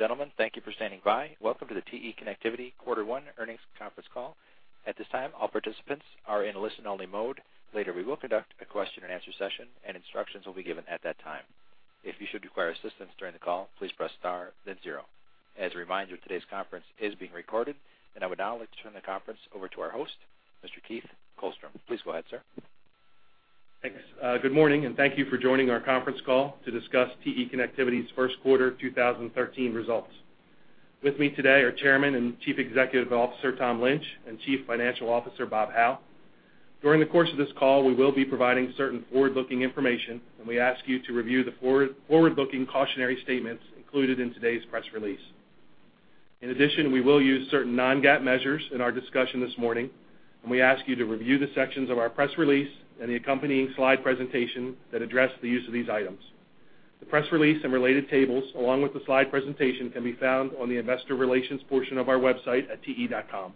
Ladies and gentlemen, thank you for standing by. Welcome to the TE Connectivity Quarter One Earnings Conference Call. At this time, all participants are in a listen-only mode. Later, we will conduct a question-and-answer session, and instructions will be given at that time. If you should require assistance during the call, please press star then zero. As a reminder, today's conference is being recorded. I would now like to turn the conference over to our host, Mr. Keith Kohlstrom. Please go ahead, sir. Thanks. Good morning, and thank you for joining our conference call to discuss TE Connectivity's first quarter 2013 results. With me today are Chairman and Chief Executive Officer, Tom Lynch, and Chief Financial Officer, Bob Hau. During the course of this call, we will be providing certain forward-looking information, and we ask you to review the forward-looking cautionary statements included in today's press release. In addition, we will use certain non-GAAP measures in our discussion this morning, and we ask you to review the sections of our press release and the accompanying slide presentation that address the use of these items. The press release and related tables, along with the slide presentation, can be found on the Investor Relations portion of our website at te.com.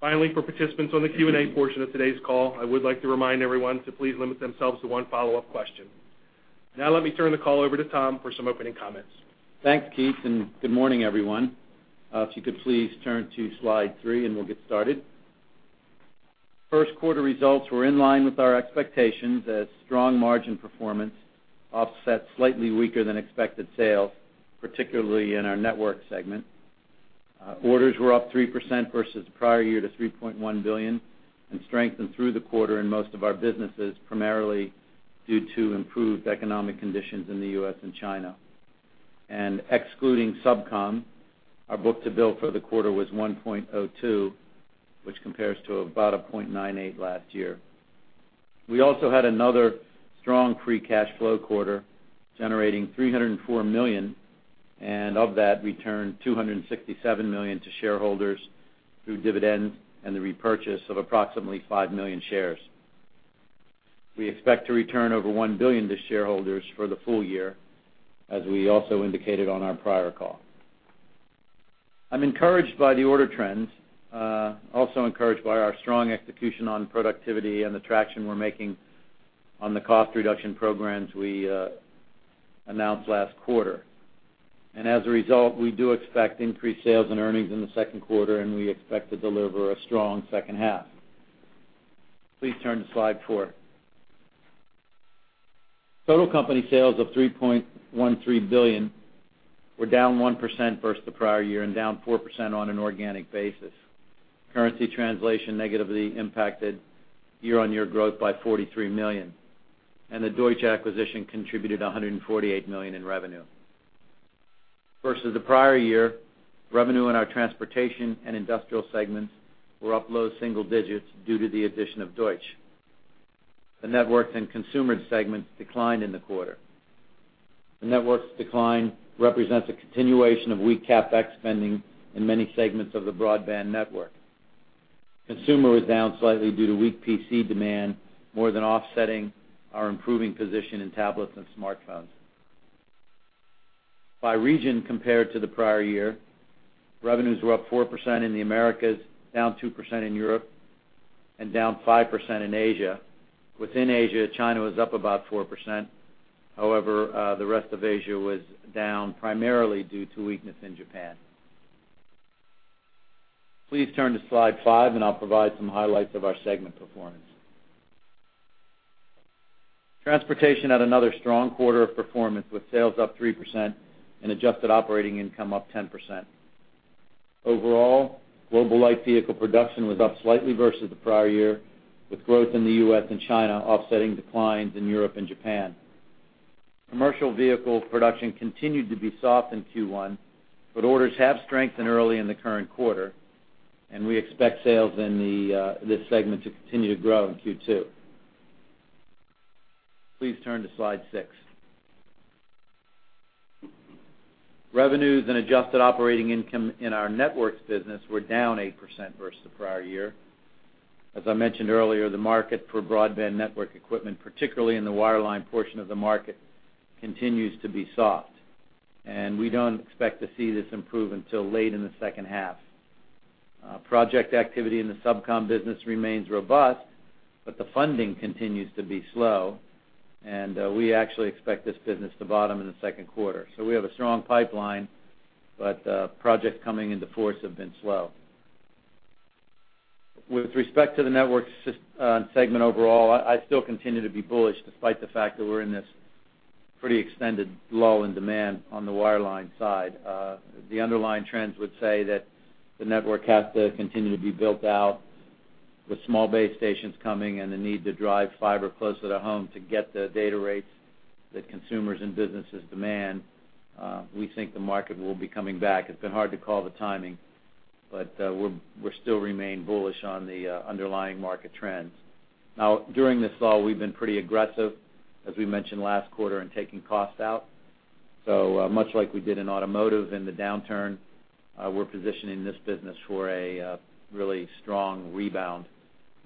Finally, for participants on the Q&A portion of today's call, I would like to remind everyone to please limit themselves to one follow-up question. Now, let me turn the call over to Tom for some opening comments. Thanks, Keith, and good morning, everyone. If you could please turn to Slide 3, and we'll get started. First quarter results were in line with our expectations as strong margin performance offset slightly weaker than expected sales, particularly in our Networks segment. Orders were up 3% versus the prior year to $3,100,000,000, and strengthened through the quarter in most of our businesses, primarily due to improved economic conditions in the US and China. And excluding SubCom, our book-to-bill for the quarter was 1.02, which compares to about a 0.98 last year. We also had another strong free cash flow quarter, generating $304,000,000, and of that, returned $267,000,000 to shareholders through dividends and the repurchase of approximately 5 million shares. We expect to return over $1 billion to shareholders for the full year, as we also indicated on our prior call. I'm encouraged by the order trends, also encouraged by our strong execution on productivity and the traction we're making on the cost reduction programs we announced last quarter. As a result, we do expect increased sales and earnings in the second quarter, and we expect to deliver a strong second half. Please turn to Slide 4. Total company sales of $3,130,000,000 were down 1% versus the prior year and down 4% on an organic basis. Currency translation negatively impacted year-on-year growth by $43,000,000, and the Deutsch acquisition contributed $148,000,000 in revenue. Versus the prior year, revenue in our Transportation and Industrial segments were up low single digits due to the addition of Deutsch. The Networks and Consumer segments declined in the quarter. The Networks decline represents a continuation of weak CapEx spending in many segments of the broadband network. Consumer was down slightly due to weak PC demand, more than offsetting our improving position in tablets and smartphones. By region, compared to the prior year, revenues were up 4% in the Americas, down 2% in Europe, and down 5% in Asia. Within Asia, China was up about 4%. However, the rest of Asia was down, primarily due to weakness in Japan. Please turn to Slide 5, and I'll provide some highlights of our segment performance. Transportation had another strong quarter of performance, with sales up 3% and adjusted operating income up 10%. Overall, global light vehicle production was up slightly versus the prior year, with growth in the U.S. and China offsetting declines in Europe and Japan. Commercial vehicle production continued to be soft in Q1, but orders have strengthened early in the current quarter, and we expect sales in this segment to continue to grow in Q2. Please turn to Slide 6. Revenues and adjusted operating income in our Networks business were down 8% versus the prior year. As I mentioned earlier, the market for broadband network equipment, particularly in the wireline portion of the market, continues to be soft, and we don't expect to see this improve until late in the second half. Project activity in the SubCom business remains robust, but the funding continues to be slow, and we actually expect this business to bottom in the second quarter. So we have a strong pipeline, but projects coming into force have been slow. With respect to the Networks segment overall, I still continue to be bullish, despite the fact that we're in this pretty extended lull in demand on the wireline side. The underlying trends would say that the network has to continue to be built out with small base stations coming and the need to drive fiber closer to home to get the data rates that consumers and businesses demand. We think the market will be coming back. It's been hard to call the timing, but we're still remain bullish on the underlying market trends. Now, during this lull, we've been pretty aggressive, as we mentioned last quarter, in taking costs out. So, much like we did in automotive in the downturn, we're positioning this business for a really strong rebound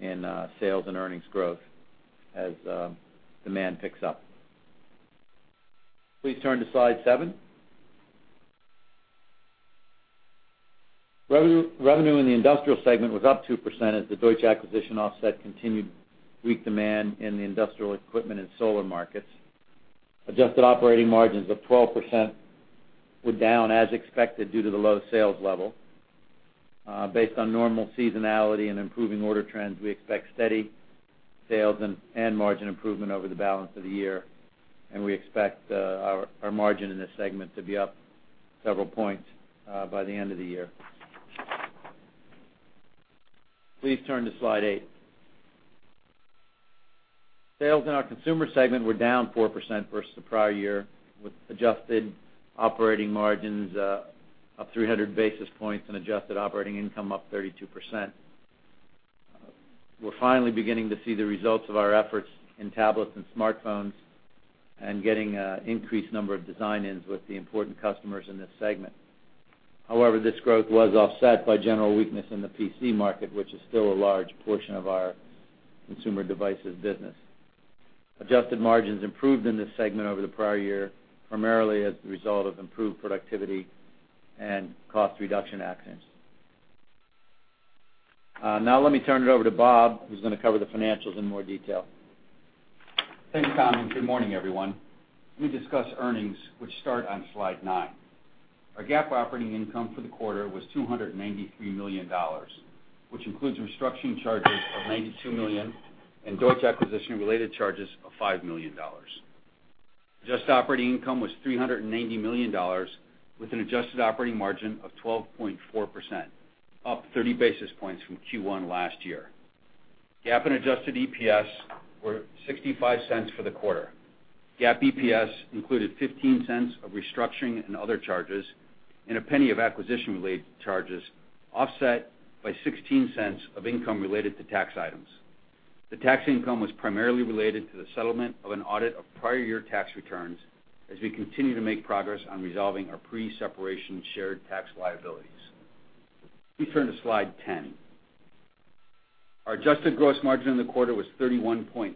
in sales and earnings growth as demand picks up. Please turn to Slide 7. Revenue in the Industrial segment was up 2% as the Deutsch acquisition offset continued weak demand in the industrial equipment and solar markets. Adjusted operating margins of 12% were down as expected due to the low sales level. Based on normal seasonality and improving order trends, we expect steady sales and margin improvement over the balance of the year, and we expect our margin in this segment to be up several points by the end of the year. Please turn to Slide 8. Sales in our Consumer segment were down 4% versus the prior year, with adjusted operating margins up 300 basis points and adjusted operating income up 32%. We're finally beginning to see the results of our efforts in tablets and smartphones and getting a increased number of design-ins with the important customers in this segment. However, this growth was offset by general weakness in the PC market, which is still a large portion of our Consumer Devices business. Adjusted margins improved in this segment over the prior year, primarily as the result of improved productivity and cost reduction actions. Now let me turn it over to Bob, who's going to cover the financials in more detail. Thanks, Tom, and good morning, everyone. Let me discuss earnings, which start on Slide 9. Our GAAP operating income for the quarter was $293,000,000, which includes restructuring charges of $92,000,000 and Deutsch acquisition-related charges of $5,000,000. Adjusted operating income was $390,000,000, with an adjusted operating margin of 12.4%, up 30 basis points from Q1 last year. GAAP and adjusted EPS were $0.65 for the quarter. GAAP EPS included $0.15 of restructuring and other charges, and $0.01 of acquisition-related charges, offset by $0.16 of income related to tax items. The tax income was primarily related to the settlement of an audit of prior year tax returns as we continue to make progress on resolving our pre-separation shared tax liabilities. Please turn to Slide 10. Our adjusted gross margin in the quarter was 31.6%.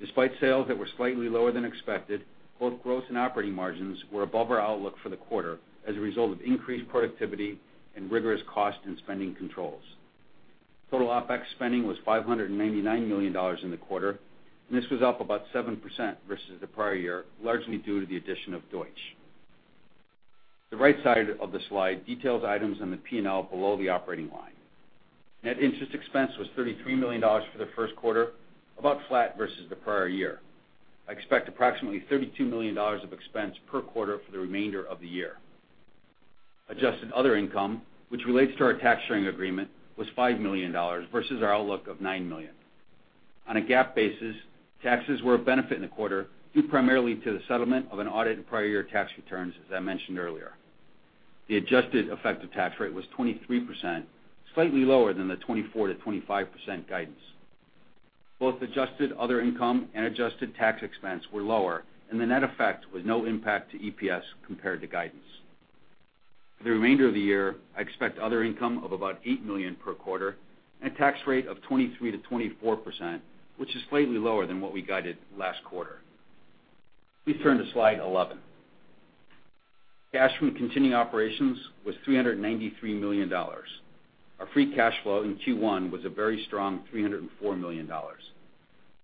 Despite sales that were slightly lower than expected, both gross and operating margins were above our outlook for the quarter as a result of increased productivity and rigorous cost and spending controls. Total OpEx spending was $599,000,000 in the quarter, and this was up about 7% versus the prior year, largely due to the addition of Deutsch. The right side of the slide details items on the P&L below the operating line. Net interest expense was $33,000,000 for the first quarter, about flat versus the prior year. I expect approximately $32,000,000 of expense per quarter for the remainder of the year. Adjusted other income, which relates to our tax sharing agreement, was $5,000,000 versus our outlook of $9,000,000. On a GAAP basis, taxes were a benefit in the quarter, due primarily to the settlement of an audit in prior year tax returns, as I mentioned earlier. The adjusted effective tax rate was 23%, slightly lower than the 24%-25% guidance. Both adjusted other income and adjusted tax expense were lower, and the net effect was no impact to EPS compared to guidance. For the remainder of the year, I expect other income of about $8,000,000 per quarter and a tax rate of 23%-24%, which is slightly lower than what we guided last quarter. Please turn to Slide 11. Cash from continuing operations was $393,000,000. Our free cash flow in Q1 was a very strong $304,000,000.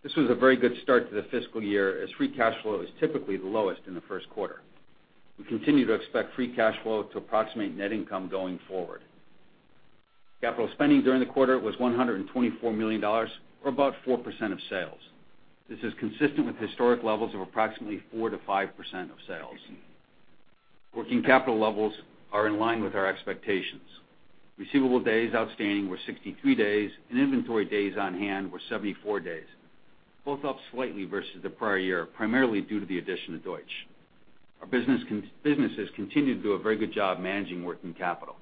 This was a very good start to the fiscal year, as free cash flow is typically the lowest in the first quarter. We continue to expect free cash flow to approximate net income going forward. Capital spending during the quarter was $124,000,000, or about 4% of sales. This is consistent with historic levels of approximately 4%-5% of sales. Working capital levels are in line with our expectations. Receivable days outstanding were 63 days, and inventory days on hand were 74 days, both up slightly versus the prior year, primarily due to the addition of Deutsch. Our businesses continue to do a very good job managing working capital.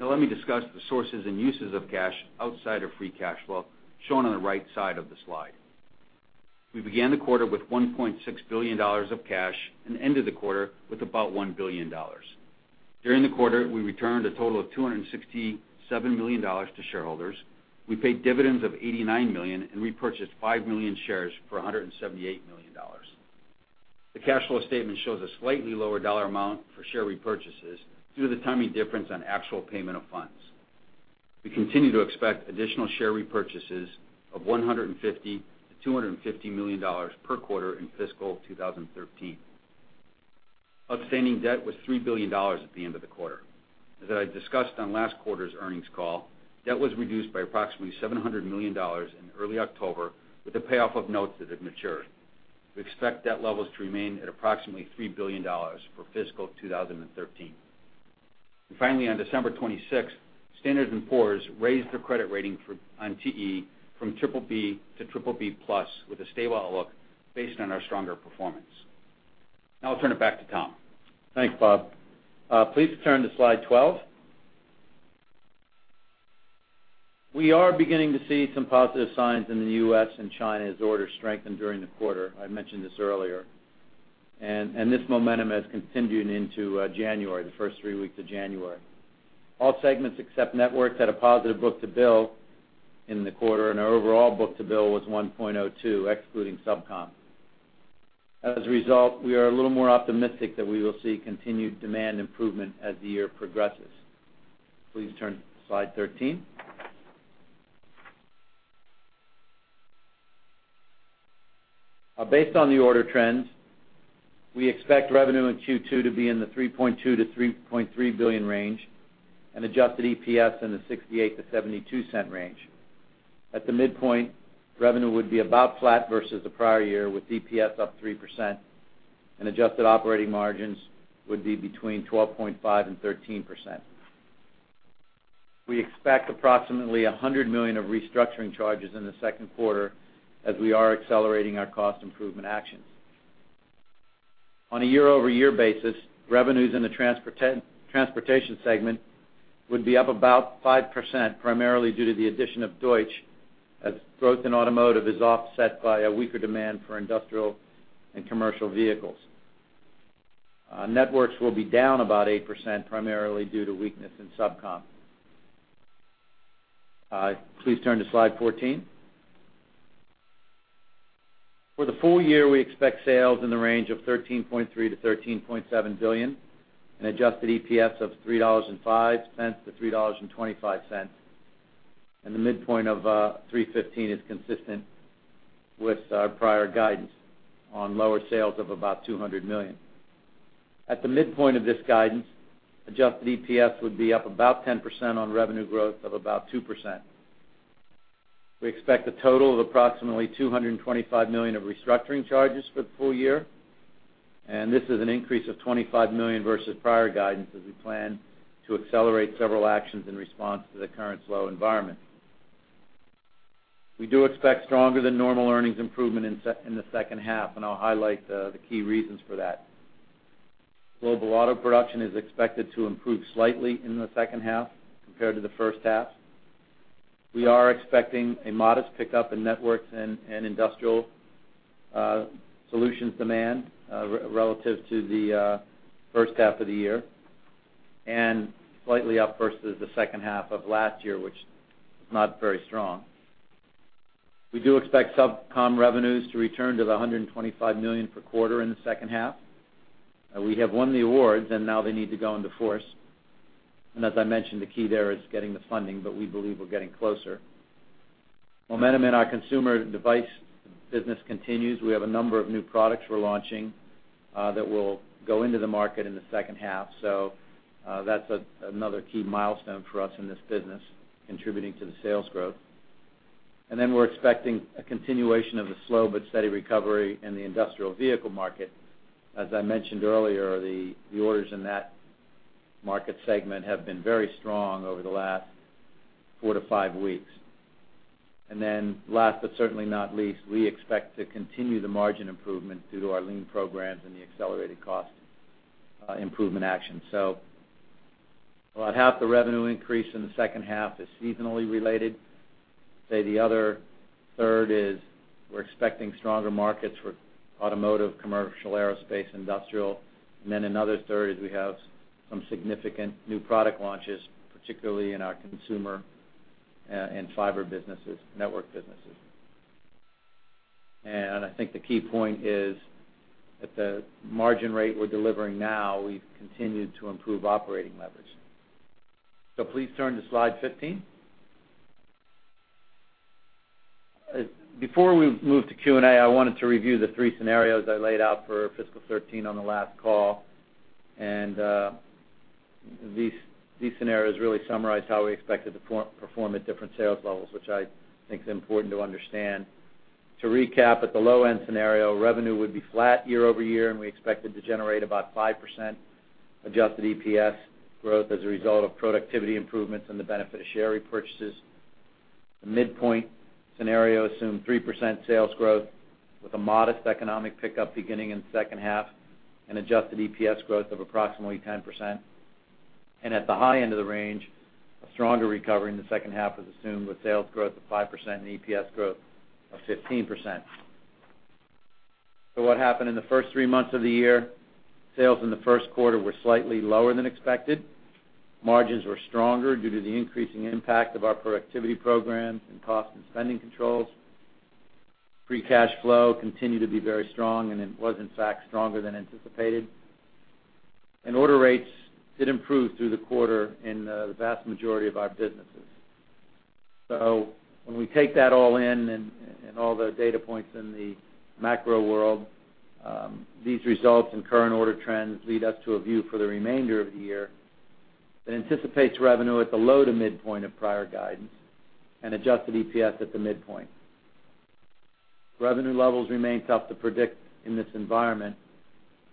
Now let me discuss the sources and uses of cash outside of free cash flow, shown on the right side of the slide. We began the quarter with $1,600,000,000 of cash and ended the quarter with about $1,000,000,000. During the quarter, we returned a total of $267,000,000 to shareholders. We paid dividends of $89,000,000 and repurchased 5,000,000 shares for $178,000,000. The cash flow statement shows a slightly lower dollar amount for share repurchases due to the timing difference on actual payment of funds. We continue to expect additional share repurchases of $150,000,000-$250,000,000 per quarter in fiscal 2013. Outstanding debt was $3,000,000,000 at the end of the quarter. As I discussed on last quarter's earnings call, debt was reduced by approximately $700,000,000 in early October, with the payoff of notes that had matured. We expect debt levels to remain at approximately $3,000,000,000 for fiscal 2013. Finally, on December 26th, Standard & Poor's raised their credit rating on TE from BBB to BBB+ with a stable outlook based on our stronger performance. Now I'll turn it back to Tom. Thanks, Bob. Please turn to Slide 12. We are beginning to see some positive signs in the U.S. and China as orders strengthened during the quarter. I mentioned this earlier, and this momentum has continued into January, the first three weeks of January. All segments, except Networks, had a positive book-to-bill in the quarter, and our overall book-to-bill was 1.02, excluding SubCom. As a result, we are a little more optimistic that we will see continued demand improvement as the year progresses. Please turn to Slide 13. Based on the order trends, we expect revenue in Q2 to be in the $3,200,000,000-$3,300,000,000 range, and adjusted EPS in the $0.68-$0.72 range. At the midpoint, revenue would be about flat versus the prior year, with EPS up 3%, and adjusted operating margins would be between 12.5% and 13%. We expect approximately $100,000,000 of restructuring charges in the second quarter as we are accelerating our cost improvement actions. On a year-over-year basis, revenues in the transportation segment would be up about 5%, primarily due to the addition of Deutsch, as growth in automotive is offset by a weaker demand for industrial and commercial vehicles. Networks will be down about 8%, primarily due to weakness in SubCom. Please turn to Slide 14. For the full year, we expect sales in the range of $13,300,000,000-$13,700,000,000, and adjusted EPS of $3.05-$3.25, and the midpoint of $3.15 is consistent with our prior guidance on lower sales of about $200,000,000. At the midpoint of this guidance, adjusted EPS would be up about 10% on revenue growth of about 2%. We expect a total of approximately $225,000,000 of restructuring charges for the full year, and this is an increase of $25,000,000 versus prior guidance, as we plan to accelerate several actions in response to the current slow environment. We do expect stronger than normal earnings improvement in the second half, and I'll highlight the key reasons for that. Global auto production is expected to improve slightly in the second half compared to the first half. We are expecting a modest pickup in networks and industrial solutions demand relative to the first half of the year, and slightly up versus the second half of last year, which was not very strong. We do expect SubCom revenues to return to $125,000,000 per quarter in the second half. We have won the awards, and now they need to go into force. As I mentioned, the key there is getting the funding, but we believe we're getting closer. Momentum in our consumer device business continues. We have a number of new products we're launching that will go into the market in the second half. So, that's another key milestone for us in this business, contributing to the sales growth. And then, we're expecting a continuation of the slow but steady recovery in the industrial vehicle market. As I mentioned earlier, the orders in that market segment have been very strong over the last four to five weeks. And then last, but certainly not least, we expect to continue the margin improvement due to our lean programs and the accelerated cost improvement actions. So about half the revenue increase in the second half is seasonally related. Say, the other third is we're expecting stronger markets for automotive, commercial, aerospace, industrial. And then another third is we have some significant new product launches, particularly in our consumer and fiber businesses, network businesses. I think the key point is, at the margin rate we're delivering now, we've continued to improve operating leverage. So please turn to Slide 15. Before we move to Q&A, I wanted to review the 3 scenarios I laid out for fiscal 2013 on the last call. These scenarios really summarize how we expect it to perform at different sales levels, which I think is important to understand. To recap, at the low-end scenario, revenue would be flat year-over-year, and we expect it to generate about 5% adjusted EPS growth as a result of productivity improvements and the benefit of share repurchases. The midpoint scenario assumed 3% sales growth with a modest economic pickup beginning in the second half, and adjusted EPS growth of approximately 10%. At the high end of the range, a stronger recovery in the second half is assumed, with sales growth of 5% and EPS growth of 15%. What happened in the first three months of the year? Sales in the first quarter were slightly lower than expected. Margins were stronger due to the increasing impact of our productivity programs and cost and spending controls. Free cash flow continued to be very strong, and it was, in fact, stronger than anticipated. Order rates did improve through the quarter in the vast majority of our businesses. So when we take that all in and all the data points in the macro world, these results and current order trends lead us to a view for the remainder of the year that anticipates revenue at the low to midpoint of prior guidance and adjusted EPS at the midpoint. Revenue levels remain tough to predict in this environment,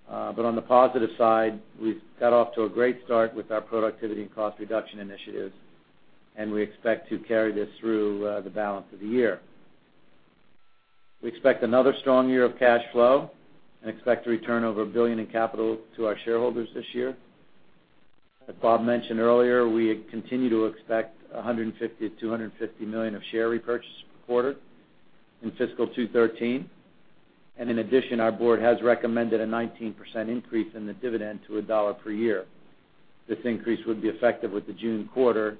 but on the positive side, we've got off to a great start with our productivity and cost reduction initiatives, and we expect to carry this through the balance of the year. We expect another strong year of cash flow and expect to return over $1 billion in capital to our shareholders this year. As Bob mentioned earlier, we continue to expect $150,000,000-$250,000,000 of share repurchase per quarter in fiscal 2013. In addition, our board has recommended a 19% increase in the dividend to $1 per year. This increase would be effective with the June quarter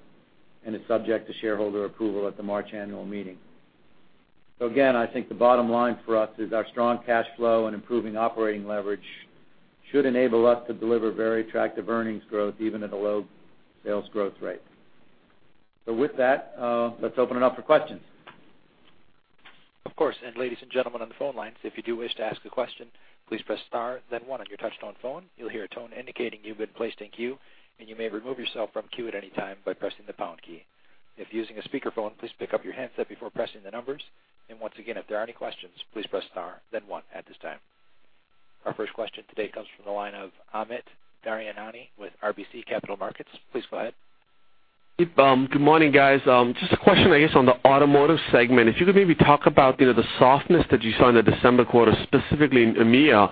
and is subject to shareholder approval at the March annual meeting. So again, I think the bottom line for us is our strong cash flow and improving operating leverage should enable us to deliver very attractive earnings growth, even at a low sales growth rate. So with that, let's open it up for questions. Of course, and ladies and gentlemen, on the phone lines, if you do wish to ask a question, please press Star, then One on your touchtone phone. You'll hear a tone indicating you've been placed in queue, and you may remove yourself from queue at any time by pressing the Pound key. If using a speakerphone, please pick up your handset before pressing the numbers. And once again, if there are any questions, please press Star then One at this time. Our first question today comes from the line of Amit Daryanani with RBC Capital Markets. Please go ahead. Good morning, guys. Just a question, I guess, on the automotive segment. If you could maybe talk about, you know, the softness that you saw in the December quarter, specifically in EMEA,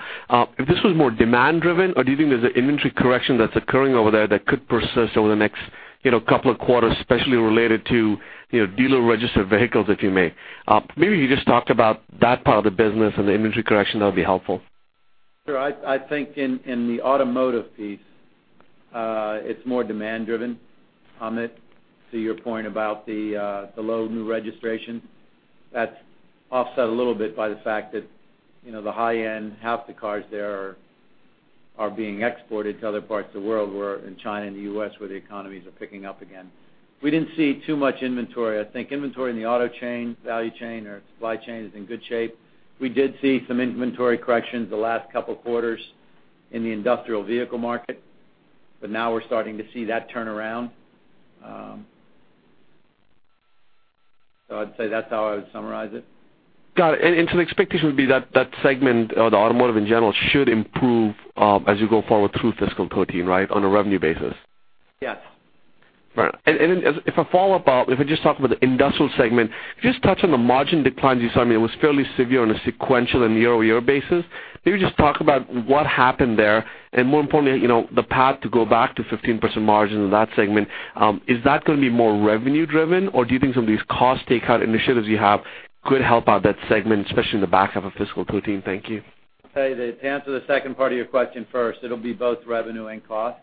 if this was more demand-driven, or do you think there's an inventory correction that's occurring over there that could persist over the next, you know, couple of quarters, especially related to, you know, dealer-registered vehicles, if you may? Maybe if you just talked about that part of the business and the inventory correction, that would be helpful. Sure. I think in the automotive piece, it's more demand driven, Amit, to your point about the low new registration. That's offset a little bit by the fact that, you know, the high-end, half the cars there are being exported to other parts of the world, where in China and the U.S., where the economies are picking up again. We didn't see too much inventory. I think inventory in the auto chain, value chain, or supply chain is in good shape. We did see some inventory corrections the last couple of quarters in the industrial vehicle market, but now we're starting to see that turn around. So I'd say that's how I would summarize it. Got it. And so the expectation would be that that segment or the automotive in general should improve as you go forward through fiscal 2013, right, on a revenue basis? Yes. Right. As a follow-up, if we just talk about the industrial segment, just touch on the margin declines you saw. I mean, it was fairly severe on a sequential and year-over-year basis. Maybe just talk about what happened there, and more importantly, you know, the path to go back to 15% margin in that segment. Is that gonna be more revenue-driven, or do you think some of these cost takeout initiatives you have could help out that segment, especially in the back half of fiscal 2013? Thank you. Hey, to answer the second part of your question first, it'll be both revenue and cost,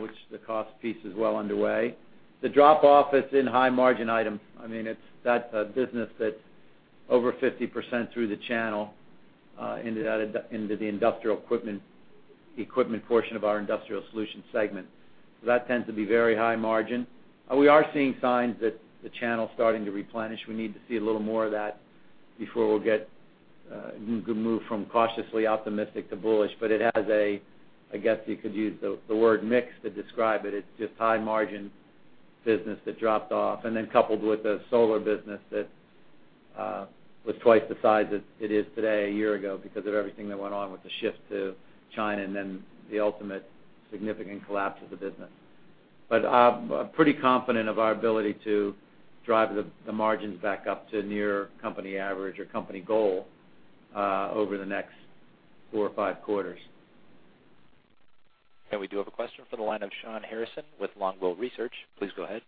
which the cost piece is well underway. The drop-off is in high-margin items. I mean, it's that business that's over 50% through the channel into that, into the industrial equipment portion of our industrial solutions segment. So that tends to be very high-margin. We are seeing signs that the channel is starting to replenish. We need to see a little more of that before we'll get good move from cautiously optimistic to bullish. But it has a, I guess, you could use the word mix to describe it. It's just high-margin business that dropped off and then coupled with the solar business that was twice the size as it is today, a year ago, because of everything that went on with the shift to China and then the ultimate significant collapse of the business. But I'm pretty confident of our ability to drive the, the margins back up to near company average or company goal over the next four or five quarters. We do have a question from the line of Shawn Harrison with Longbow Research. Please go ahead.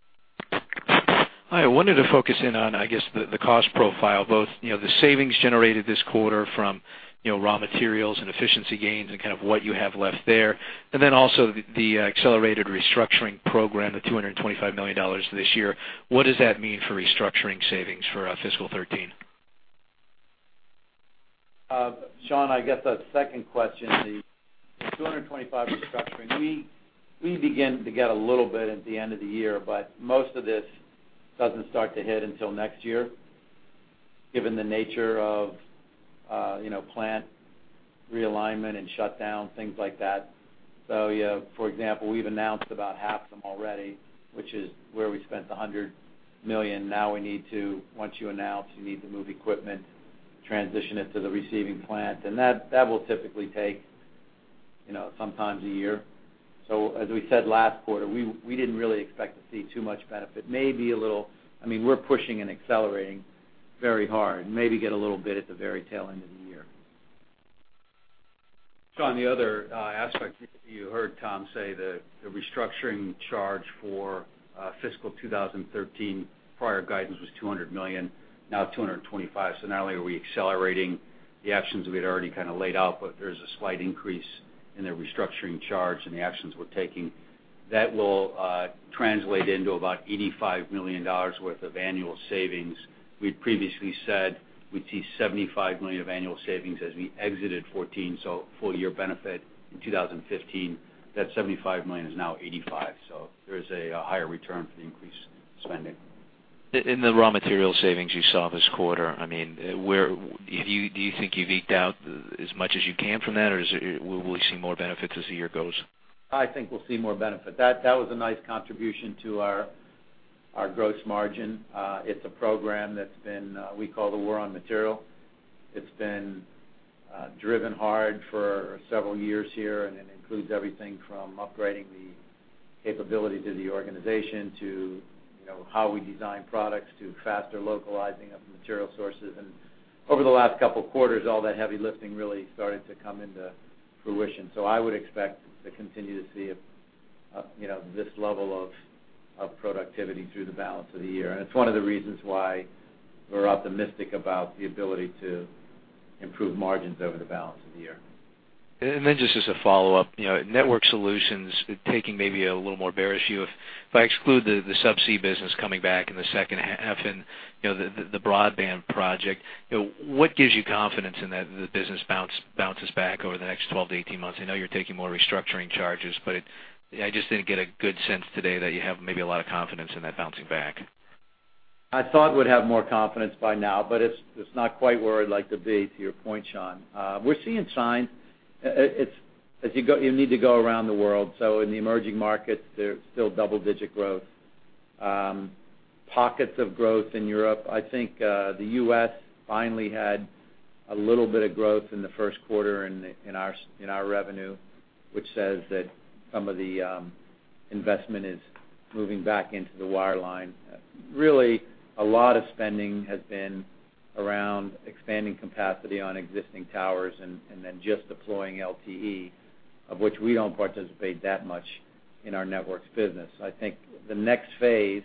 Hi. I wanted to focus in on, I guess, the cost profile, both, you know, the savings generated this quarter from, you know, raw materials and efficiency gains and kind of what you have left there, and then also the accelerated restructuring program, the $225,000,000 this year. What does that mean for restructuring savings for fiscal 2013? Shawn, I guess the second question, the $225 restructuring, we begin to get a little bit at the end of the year, but most of this doesn't start to hit until next year, given the nature of, you know, plant realignment and shutdown, things like that. So, yeah, for example, we've announced about half some already, which is where we spent the $100,000,000. Now we need to. Once you announce, you need to move equipment, transition it to the receiving plant, and that will typically take, you know, sometimes a year. So as we said last quarter, we didn't really expect to see too much benefit. Maybe a little. I mean, we're pushing and accelerating very hard, maybe get a little bit at the very tail end of the year. Shawn, the other aspect, you heard Tom say that the restructuring charge for fiscal 2013, prior guidance was $200,000,000, now $225,000,000. So not only are we accelerating the actions we had already kind of laid out, but there's a slight increase in the restructuring charge and the actions we're taking. That will translate into about $85,000,000 worth of annual savings. We previously said we'd see $75,000,000 of annual savings as we exited 2014, so full year benefit in 2015. That $75,000,000 is now $85,000,000, so there is a higher return for the increased spending. In the raw material savings you saw this quarter, I mean, where do you think you've eked out as much as you can from that, or will we see more benefits as the year goes? I think we'll see more benefit. That was a nice contribution to our gross margin. It's a program we call the War on Material. It's been driven hard for several years here, and it includes everything from upgrading the capability to the organization, to, you know, how we design products, to faster localizing of material sources. And over the last couple of quarters, all that heavy lifting really started to come into fruition. So I would expect to continue to see, you know, this level of productivity through the balance of the year. And it's one of the reasons why we're optimistic about the ability to improve margins over the balance of the year. And then just as a follow-up, you know, network solutions taking maybe a little more bearish view. If I exclude the subsea business coming back in the second half and, you know, the broadband project, what gives you confidence in that, the business bounces back over the next 12-18 months? I know you're taking more restructuring charges, but it, I just didn't get a good sense today that you have maybe a lot of confidence in that bouncing back. I thought we'd have more confidence by now, but it's, it's not quite where I'd like to be, to your point, Shawn. We're seeing signs. It, it's, as you go, you need to go around the world. So in the emerging markets, there's still double-digit growth. Pockets of growth in Europe. I think, the U.S. finally had a little bit of growth in the first quarter in, in our, in our revenue, which says that some of the, investment is moving back into the wireline. Really, a lot of spending has been around expanding capacity on existing towers and, and then just deploying LTE, of which we don't participate that much in our networks business. I think the next phase,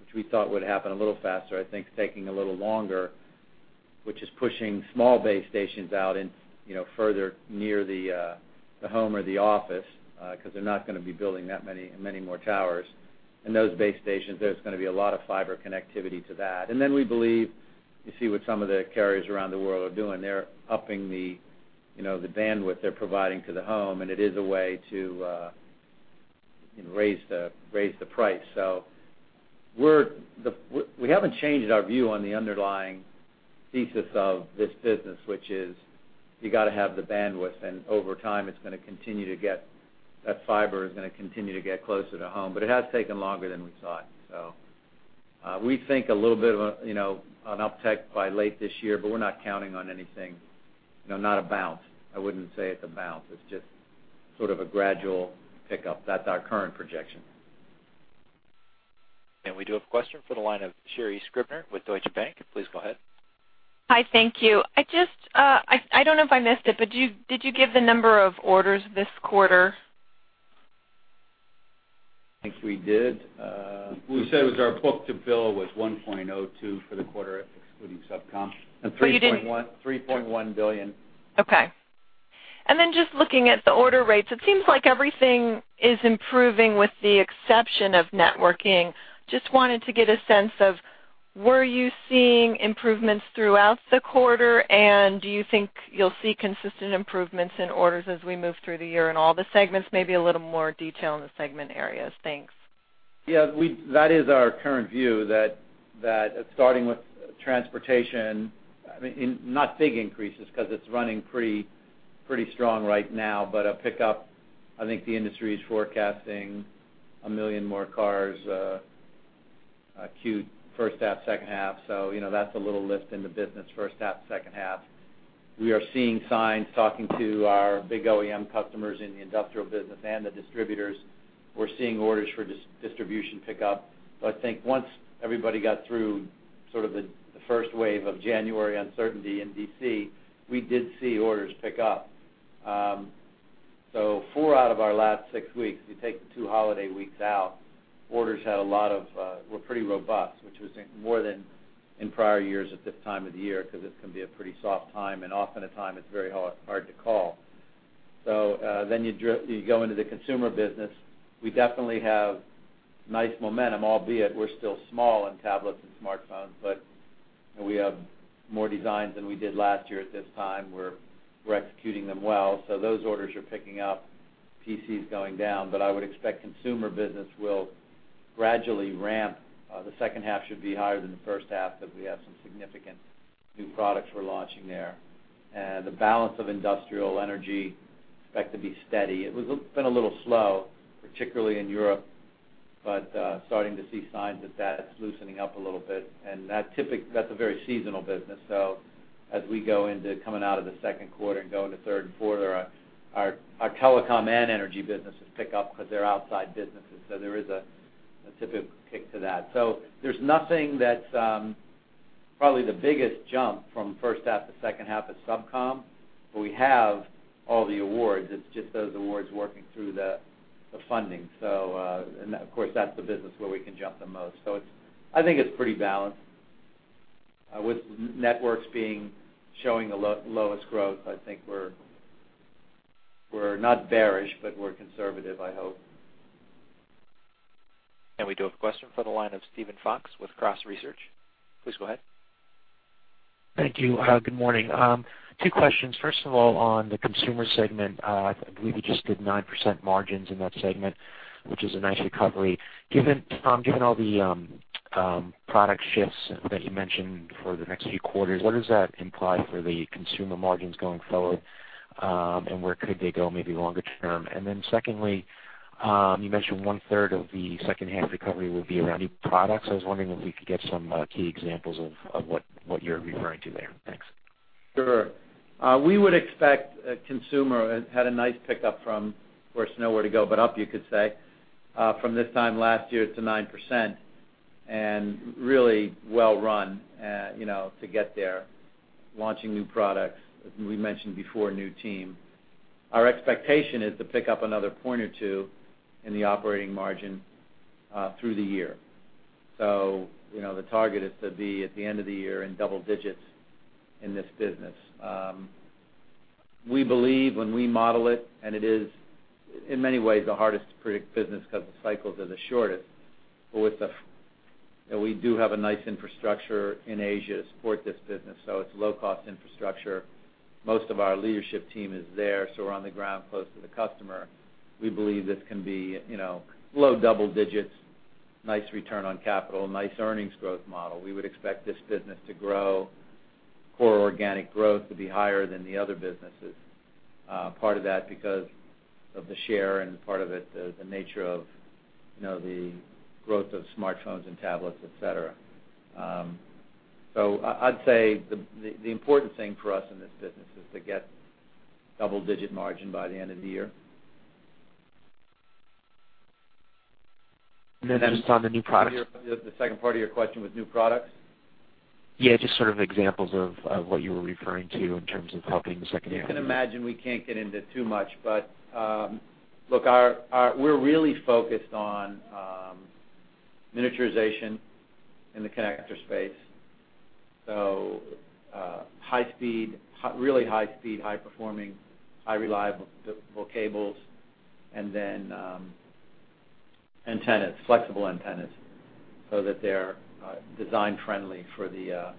which we thought would happen a little faster, I think is taking a little longer, which is pushing small base stations out in, you know, further near the, the home or the office, because they're not gonna be building that many, many more towers. And those base stations, there's gonna be a lot of fiber connectivity to that. And then we believe, you see what some of the carriers around the world are doing. They're upping the, you know, the bandwidth they're providing to the home, and it is a way to, raise the, raise the price. So we're the- we haven't changed our view on the underlying thesis of this business, which is you got to have the bandwidth, and over time, it's gonna continue to get... That fiber is gonna continue to get closer to home, but it has taken longer than we thought. So, we think a little bit of a, you know, an uptick by late this year, but we're not counting on anything, you know, not a bounce. I wouldn't say it's a bounce. It's just sort of a gradual pickup. That's our current projection. We do have a question for the line of Sherri Scribner with Deutsche Bank. Please go ahead. Hi, thank you. I just, I don't know if I missed it, but did you give the number of orders this quarter? I think we did. We said it was our book-to-bill was 1.02 for the quarter, excluding SubCom. But you didn't- $3.1, $3.1 billion. Okay. And then just looking at the order rates, it seems like everything is improving with the exception of networking. Just wanted to get a sense of, were you seeing improvements throughout the quarter, and do you think you'll see consistent improvements in orders as we move through the year in all the segments? Maybe a little more detail in the segment areas. Thanks. Yeah, we, that is our current view, that starting with transportation, I mean, not big increases because it's running pretty, pretty strong right now, but a pickup. I think the industry is forecasting 1 million more cars, acute first half, second half, so, you know, that's a little lift in the business, first half, second half. We are seeing signs, talking to our big OEM customers in the industrial business and the distributors. We're seeing orders for distribution pick up. So I think once everybody got through sort of the first wave of January uncertainty in D.C., we did see orders pick up. So four out of our last six weeks, if you take the two holiday weeks out, orders were pretty robust, which was more than in prior years at this time of the year, because this can be a pretty soft time, and often a time it's very hard to call. So then you go into the consumer business. We definitely have nice momentum, albeit we're still small in tablets and smartphones, but we have more designs than we did last year at this time. We're executing them well. So those orders are picking up, PC is going down, but I would expect consumer business will gradually ramp. The second half should be higher than the first half, because we have some significant new products we're launching there. And the balance of industrial energy expect to be steady. It's been a little slow, particularly in Europe, but starting to see signs that that's loosening up a little bit, and that's a very seasonal business. So as we come out of the second quarter and go into third and fourth, our telecom and energy businesses pick up because they're outside businesses, so there is a typical kick to that. So there's nothing that's probably the biggest jump from first half to second half is SubCom, but we have all the awards. It's just those awards working through the funding. So and of course, that's the business where we can jump the most. So I think it's pretty balanced, with networks showing the lowest growth, I think we're not bearish, but we're conservative, I hope. We do have a question for the line of Steven Fox with Cross Research. Please go ahead. Thank you. Good morning. Two questions. First of all, on the consumer segment, I believe you just did 9% margins in that segment, which is a nice recovery. Given, Tom, given all the product shifts that you mentioned for the next few quarters, what does that imply for the consumer margins going forward? And where could they go, maybe longer term? And then secondly, you mentioned one-third of the second half recovery would be around new products. I was wondering if we could get some key examples of what you're referring to there. Thanks. Sure. We would expect a consumer had a nice pickup from, of course, nowhere to go, but up, you could say, from this time last year to 9%, and really well run, you know, to get there, launching new products, we mentioned before, new team. Our expectation is to pick up another point or two in the operating margin through the year. So, you know, the target is to be at the end of the year in double digits in this business. We believe when we model it, and it is, in many ways, the hardest to predict business because the cycles are the shortest. But we do have a nice infrastructure in Asia to support this business, so it's low-cost infrastructure. Most of our leadership team is there, so we're on the ground close to the customer. We believe this can be, you know, low double digits, nice return on capital, nice earnings growth model. We would expect this business to grow, core organic growth to be higher than the other businesses. Part of that because of the share, and part of it, the nature of, you know, the growth of smartphones and tablets, et cetera. So I'd say the important thing for us in this business is to get double-digit margin by the end of the year. And then just on the new products? The second part of your question was new products? Yeah, just sort of examples of, of what you were referring to in terms of helping the second half. You can imagine we can't get into too much. But look, our we're really focused on miniaturization in the connector space. So high speed, really high speed, high performing, high reliable cables, and then antennas, flexible antennas, so that they're design friendly for the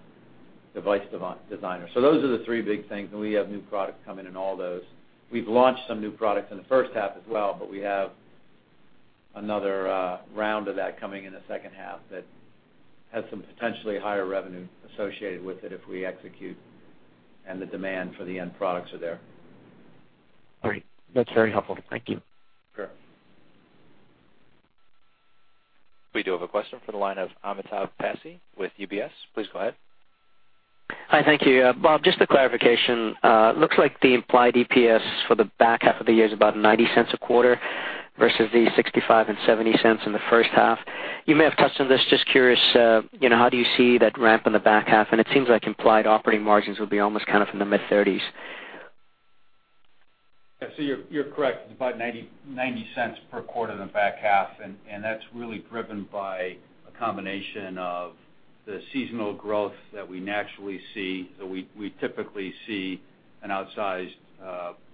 device designer. So those are the three big things, and we have new products coming in all those. We've launched some new products in the first half as well, but we have another round of that coming in the second half that has some potentially higher revenue associated with it if we execute and the demand for the end products are there. All right. That's very helpful. Thank you. Sure. We do have a question from the line of Amitabh Passi with UBS. Please go ahead. Hi, thank you. Bob, just a clarification. Looks like the implied EPS for the back half of the year is about $0.90 a quarter versus the $0.65 and $0.70 in the first half. You may have touched on this, just curious, you know, how do you see that ramp in the back half? And it seems like implied operating margins will be almost kind of in the mid-30s%. Yeah, so you're correct about $0.90 per quarter in the back half, and that's really driven by a combination of the seasonal growth that we naturally see. So we typically see an outsized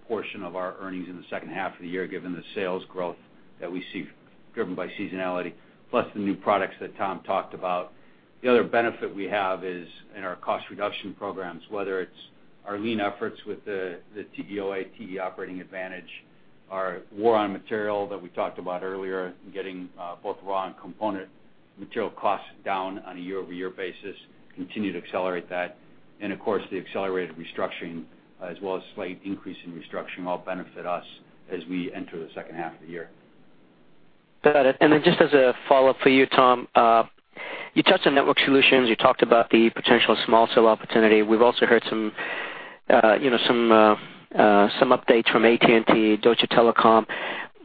portion of our earnings in the second half of the year, given the sales growth that we see driven by seasonality, plus the new products that Tom talked about. The other benefit we have is in our cost reduction programs, whether it's our lean efforts with the TEOA, TE Operating Advantage, our war on material that we talked about earlier, getting both raw and component material costs down on a year-over-year basis, continue to accelerate that. And of course, the accelerated restructuring, as well as slight increase in restructuring, all benefit us as we enter the second half of the year. Got it. And then just as a follow-up for you, Tom, you touched on network solutions. You talked about the potential small cell opportunity. We've also heard some, you know, some updates from AT&T, Deutsche Telekom.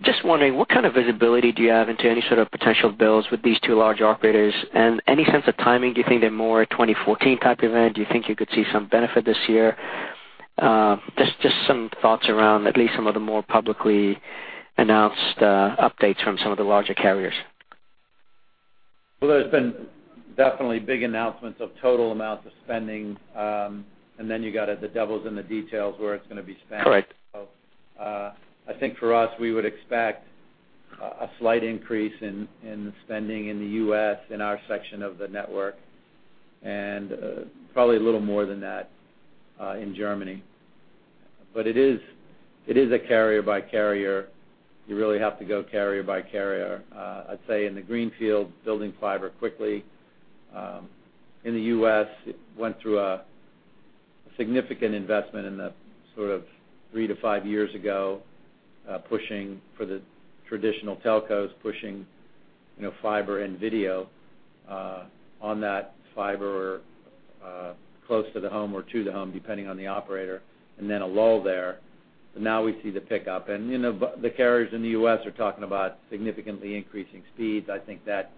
Just wondering, what kind of visibility do you have into any sort of potential builds with these two large operators? And any sense of timing, do you think they're more a twenty fourteen type event? Do you think you could see some benefit this year? Just, just some thoughts around at least some of the more publicly announced updates from some of the larger carriers. Well, there's been definitely big announcements of total amounts of spending, and then you got it, the devil's in the details where it's gonna be spent. Correct. I think for us, we would expect a slight increase in the spending in the US, in our section of the network, and probably a little more than that in Germany. But it is a carrier by carrier. You really have to go carrier by carrier. I'd say in the greenfield, building fiber quickly, in the US, it went through a significant investment in the sort of 3-5 years ago, pushing for the traditional telcos, pushing, you know, fiber and video, on that fiber, close to the home or to the home, depending on the operator, and then a lull there. So now we see the pickup, and, you know, but the carriers in the US are talking about significantly increasing speeds. I think that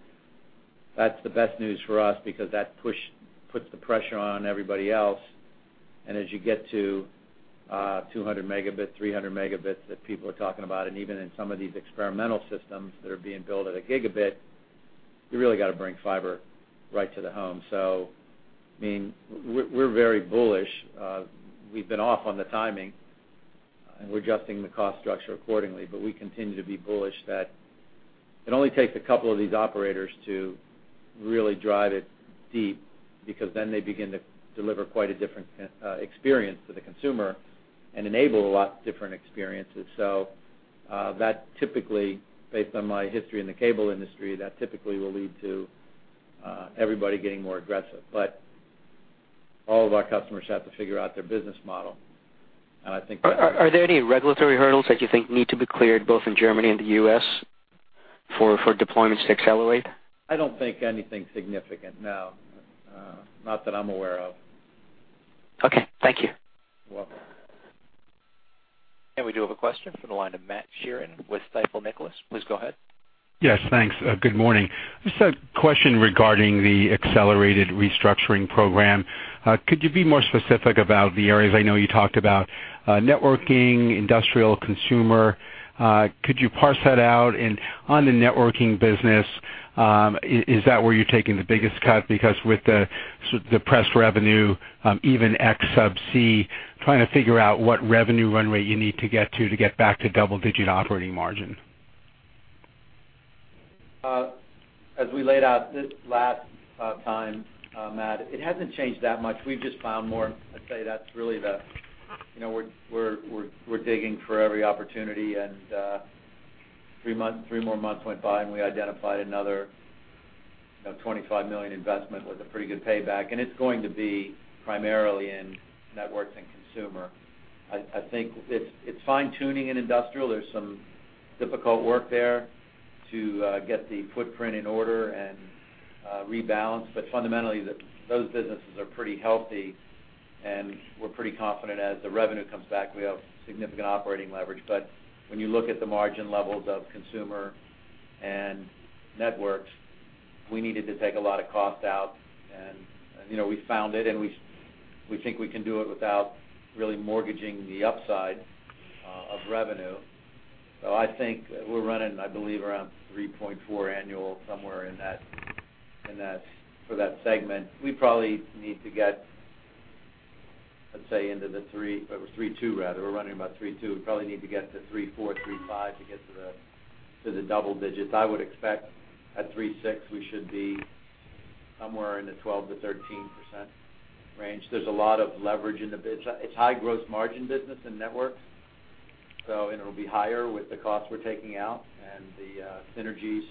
that's the best news for us because that push puts the pressure on everybody else. And as you get to 200 Mbps, 300 Mbps that people are talking about, and even in some of these experimental systems that are being built at 1 Gbps, you really got to bring fiber right to the home. So, I mean, we're very bullish. We've been off on the timing, and we're adjusting the cost structure accordingly, but we continue to be bullish that it only takes a couple of these operators to really drive it deep, because then they begin to deliver quite a different experience to the consumer and enable a lot different experiences. So, that typically, based on my history in the cable industry, that typically will lead to everybody getting more aggressive. But all of our customers have to figure out their business model, and I think- Are there any regulatory hurdles that you think need to be cleared, both in Germany and the U.S., for deployments to accelerate? I don't think anything significant, no. Not that I'm aware of. Okay. Thank you. You're welcome. We do have a question from the line of Matt Sheerin with Stifel Nicolaus. Please go ahead. Yes, thanks. Good morning. Just a question regarding the accelerated restructuring program. Could you be more specific about the areas? I know you talked about networking, industrial, consumer. Could you parse that out? And on the networking business, is that where you're taking the biggest cut? Because with the depressed revenue, even X sub C, trying to figure out what revenue runway you need to get to, to get back to double-digit operating margin. As we laid out this last time, Matt, it hasn't changed that much. We've just found more. I'd say that's really the, you know, we're digging for every opportunity, and three months, three more months went by, and we identified another, you know, $25,000,000 investment with a pretty good payback. And it's going to be primarily in networks and consumer. I think it's fine-tuning in industrial. There's some difficult work there to get the footprint in order and rebalance. But fundamentally, those businesses are pretty healthy, and we're pretty confident as the revenue comes back, we have significant operating leverage. But when you look at the margin levels of consumer and networks, we needed to take a lot of cost out, and, you know, we found it, and we, we think we can do it without really mortgaging the upside of revenue. So I think we're running, I believe, around 3.4 annual, somewhere in that, in that, for that segment. We probably need to get, let's say, into the three, or 3.2 rather. We're running about 3.2. We probably need to get to 3.4, 3.5, to get to the, to the double digits. I would expect at 3.6, we should be somewhere in the 12%-13% range. There's a lot of leverage in the biz. It's high gross margin business in network, so and it'll be higher with the costs we're taking out and the synergies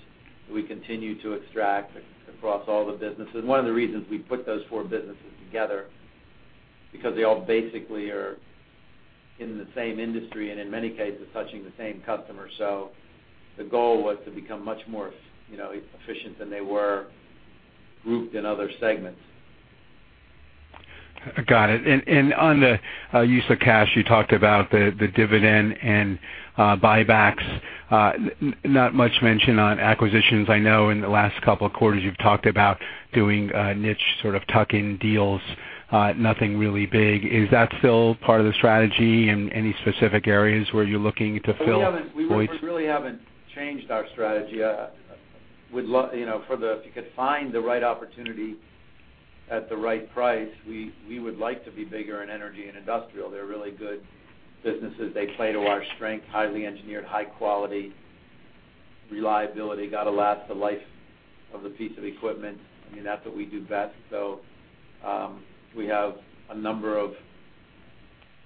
we continue to extract across all the businesses. One of the reasons we put those four businesses together, because they all basically are in the same industry, and in many cases, touching the same customer. So the goal was to become much more, you know, efficient than they were grouped in other segments. Got it. And on the use of cash, you talked about the dividend and buybacks. Not much mention on acquisitions. I know in the last couple of quarters, you've talked about doing niche, sort of, tuck-in deals, nothing really big. Is that still part of the strategy? And any specific areas where you're looking to fill Deutsch? We haven't, we really haven't changed our strategy. You know, for the-- if you could find the right opportunity at the right price, we, we would like to be bigger in energy and industrial. They're really good businesses. They play to our strength, highly engineered, high quality, reliability, got to last the life of the piece of equipment. I mean, that's what we do best. So, we have a number of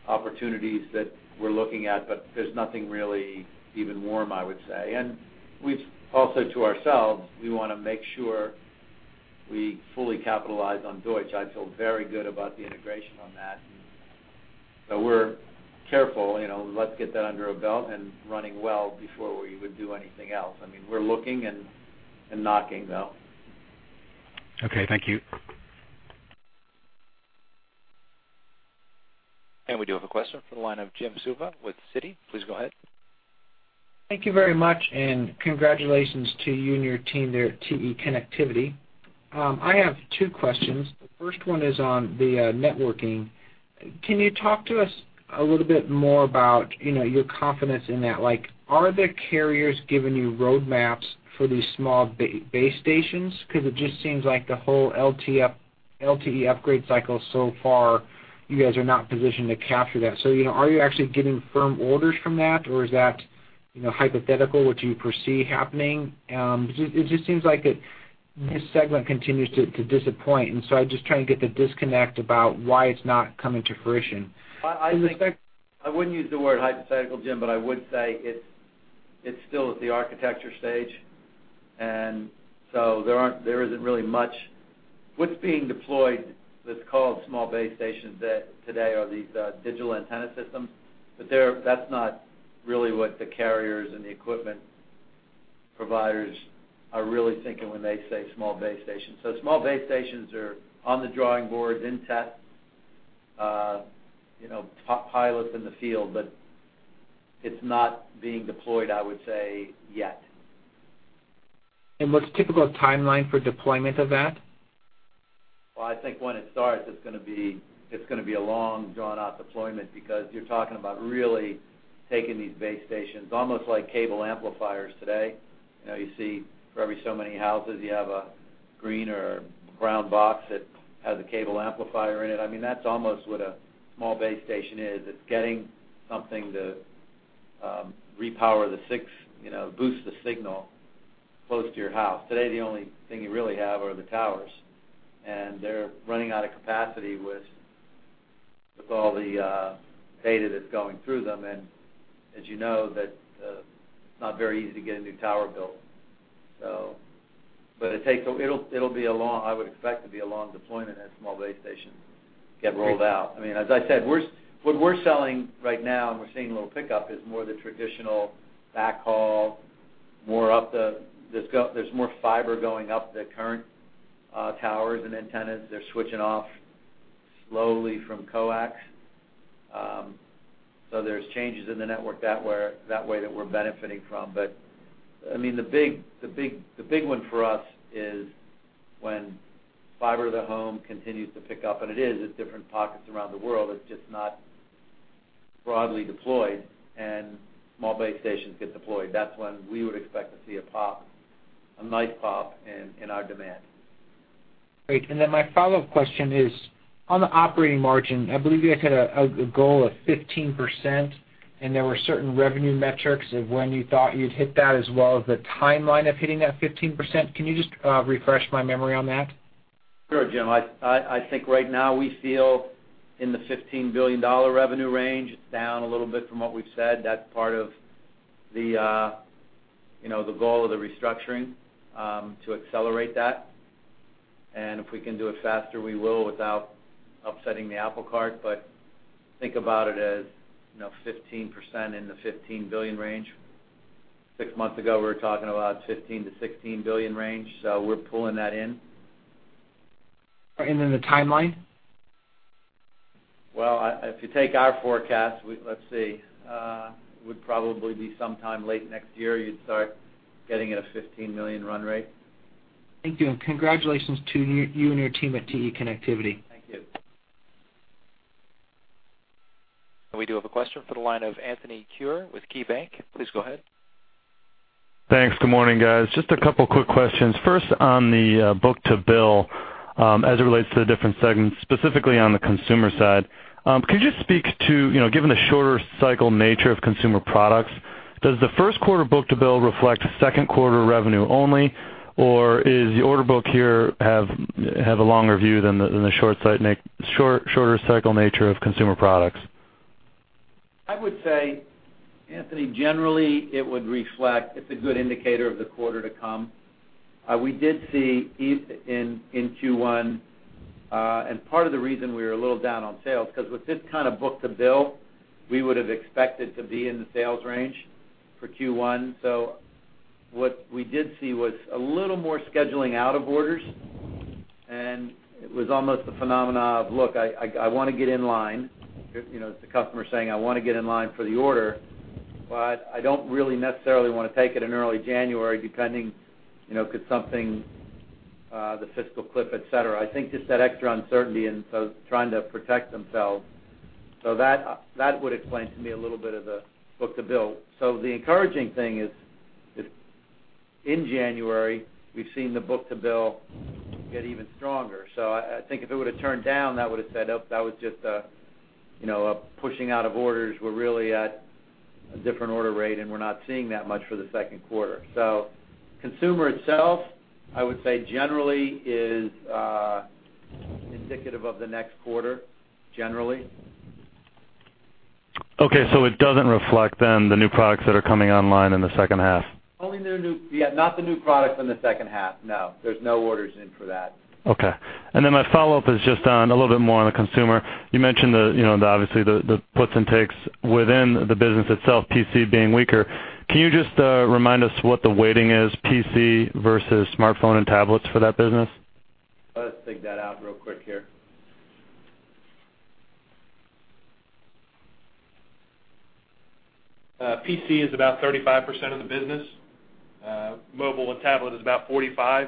opportunities that we're looking at, but there's nothing really even warm, I would say. And we've also, to ourselves, we want to make sure we fully capitalize on Deutsch. I feel very good about the integration on that. But we're careful, you know, let's get that under our belt and running well before we would do anything else. I mean, we're looking and, and knocking, though. Okay, thank you. We do have a question from the line of Jim Suva with Citi. Please go ahead. Thank you very much, and congratulations to you and your team there at TE Connectivity. I have two questions. The first one is on the networking. Can you talk to us a little bit more about, you know, your confidence in that? Like, are the carriers giving you roadmaps for these small base stations? Because it just seems like the whole LTE upgrade cycle so far, you guys are not positioned to capture that. So, you know, are you actually getting firm orders from that, or is that, you know, hypothetical, what you foresee happening? It just seems like it, this segment continues to disappoint, and so I'm just trying to get the disconnect about why it's not coming to fruition. I think- From the perspec-... I wouldn't use the word hypothetical, Jim, but I would say it's, it's still at the architecture stage. And so there isn't really much. What's being deployed, that's called small base stations today, are these digital antenna systems. But that's not really what the carriers and the equipment providers are really thinking when they say small base stations. So small base stations are on the drawing board, in test, you know, pilots in the field, but it's not being deployed, I would say, yet. What's the typical timeline for deployment of that? Well, I think when it starts, it's gonna be a long, drawn-out deployment because you're talking about really taking these base stations, almost like cable amplifiers today. You know, you see for every so many houses, you have a green or brown box that has a cable amplifier in it. I mean, that's almost what a small base station is. It's getting something to repower the six, you know, boost the signal close to your house. Today, the only thing you really have are the towers, and they're running out of capacity with all the data that's going through them. And as you know, that it's not very easy to get a new tower built. But it'll be a long, I would expect, it to be a long deployment as small base stations get rolled out. I mean, as I said, what we're selling right now, and we're seeing a little pickup, is more the traditional backhaul, more up the current. There's more fiber going up the current towers and antennas. They're switching off slowly from coax. So there's changes in the network that way, that way, that we're benefiting from. But, I mean, the big, the big, the big one for us is when fiber to the home continues to pick up, and it is at different pockets around the world. It's just not broadly deployed and small base stations get deployed, that's when we would expect to see a pop, a nice pop in our demand. Great. And then my follow-up question is, on the operating margin, I believe you guys had a goal of 15%, and there were certain revenue metrics of when you thought you'd hit that, as well as the timeline of hitting that 15%. Can you just refresh my memory on that? Sure, Jim. I think right now we feel in the $15,000,000,000 revenue range. It's down a little bit from what we've said. That's part of the, you know, the goal of the restructuring, to accelerate that. And if we can do it faster, we will, without upsetting the apple cart. But think about it as, you know, 15% in the $15,000,000,000 range. Six months ago, we were talking about $15,000,000,000-$16,000,000,000 range, so we're pulling that in. And then the timeline? Well, if you take our forecast, let's see, it would probably be sometime late next year, you'd start getting at a $15,000,000 run rate. Thank you, and congratulations to you, you and your team at TE Connectivity. Thank you. We do have a question for the line of Anthony Kure with KeyBanc. Please go ahead. Thanks. Good morning, guys. Just a couple quick questions. First, on the book-to-bill, as it relates to the different segments, specifically on the consumer side, could you just speak to, you know, given the shorter cycle nature of consumer products, does the first quarter book-to-bill reflect second quarter revenue only? Or does the order book here have a longer view than the shorter cycle nature of consumer products? I would say, Anthony, generally, it would reflect it's a good indicator of the quarter to come. We did see, even in Q1, and part of the reason we were a little down on sales, 'cause with this kind of book-to-bill, we would have expected to be in the sales range for Q1. So what we did see was a little more scheduling out of orders, and it was almost a phenomena of, look, I wanna get in line, you know, it's the customer saying, "I wanna get in line for the order, but I don't really necessarily wanna take it in early January," depending, you know, could something, the fiscal cliff, et cetera. I think just that extra uncertainty and so trying to protect themselves. So that would explain to me a little bit of the book-to-bill. So the encouraging thing is, in January, we've seen the book-to-bill get even stronger. So I, I think if it would've turned down, that would've said, "Oh, that was just a, you know, a pushing out of orders. We're really at a different order rate, and we're not seeing that much for the second quarter." So consumer itself, I would say, generally is indicative of the next quarter, generally. Okay, so it doesn't reflect then the new products that are coming online in the second half? Yeah, not the new products in the second half, no. There's no orders in for that. Okay. And then my follow-up is just on a little bit more on the consumer. You mentioned the, you know, the obviously, the, the puts and takes within the business itself, PC being weaker. Can you just, remind us what the weighting is, PC versus smartphone and tablets for that business? Let's take that out real quick here. PC is about 35% of the business. Mobile and tablet is about 45%,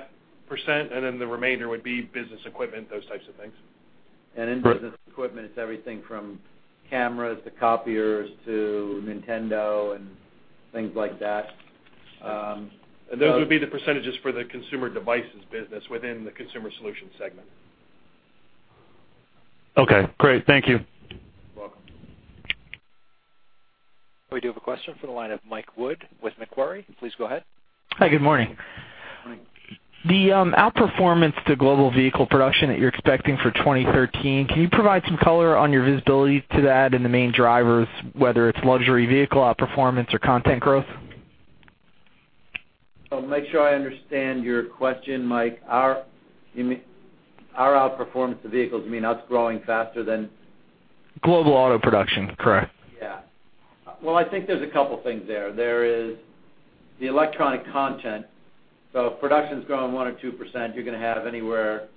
and then the remainder would be business equipment, those types of things. And- In business equipment, it's everything from cameras to copiers to Nintendo and things like that. Those would be the percentages for the Consumer Devices business within the Consumer Solutions segment. Okay, great. Thank you. You're welcome. We do have a question from the line of Mike Wood with Macquarie. Please go ahead. Hi, good morning. Good morning. The outperformance to global vehicle production that you're expecting for 2013, can you provide some color on your visibility to that and the main drivers, whether it's luxury vehicle outperformance or content growth? So make sure I understand your question, Mike. Our, you mean, our outperformance to vehicles, you mean us growing faster than? Global auto production, correct. Yeah. Well, I think there's a couple things there. There is the electronic content. So if production's growing 1% or 2%, you're gonna have anywhere,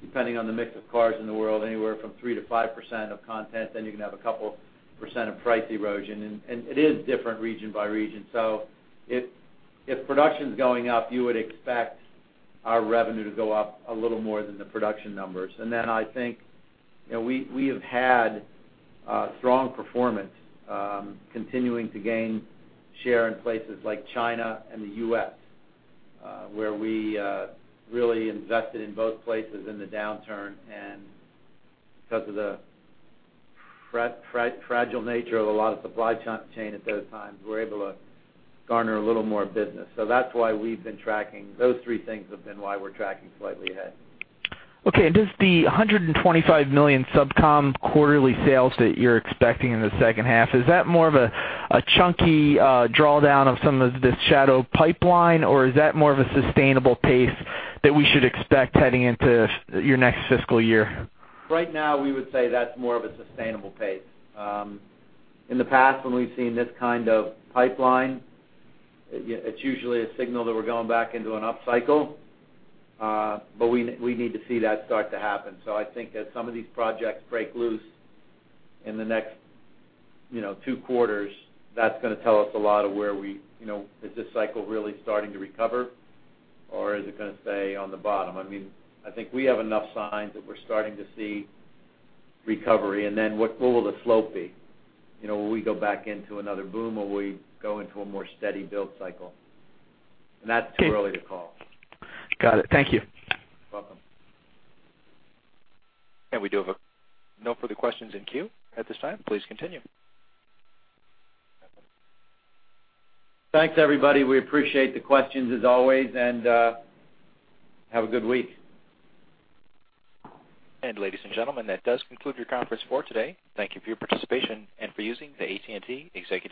depending on the mix of cars in the world, anywhere from 3%-5% of content, then you're gonna have a couple% of price erosion. And it is different region by region. So if production's going up, you would expect our revenue to go up a little more than the production numbers. And then I think, you know, we have had strong performance, continuing to gain share in places like China and the US, where we really invested in both places in the downturn. And because of the fragile nature of a lot of supply chain at those times, we're able to garner a little more business. So that's why we've been tracking... Those three things have been why we're tracking slightly ahead. Okay, and does the $125,000,000 SubCom quarterly sales that you're expecting in the second half, is that more of a chunky drawdown of some of this shadow pipeline, or is that more of a sustainable pace that we should expect heading into your next fiscal year? Right now, we would say that's more of a sustainable pace. In the past, when we've seen this kind of pipeline, it's usually a signal that we're going back into an upcycle, but we need to see that start to happen. So I think as some of these projects break loose in the next, you know, two quarters, that's gonna tell us a lot of where we, you know, is this cycle really starting to recover, or is it gonna stay on the bottom? I mean, I think we have enough signs that we're starting to see recovery, and then what will the slope be? You know, will we go back into another boom, or we go into a more steady build cycle? And that's too early to call. Got it. Thank you. Welcome. We do have no further questions in queue at this time. Please continue. Thanks, everybody. We appreciate the questions, as always, and have a good week. Ladies and gentlemen, that does conclude your conference call today. Thank you for your participation and for using the AT&T Executive